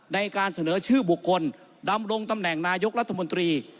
ในการเสนอชื่อบุคคลดำรงตำแหน่งนายกรัฐมนตรี